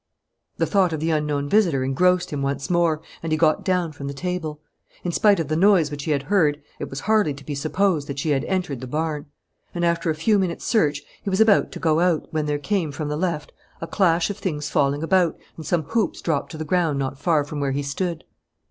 The thought of the unknown visitor engrossed him once more, and he got down from the table. In spite of the noise which he had heard, it was hardly to be supposed that she had entered the barn. And, after a few minutes' search, he was about to go out, when there came, from the left, a clash of things falling about and some hoops dropped to the ground not far from where he stood.